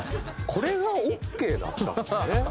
これがオッケーだったんですね。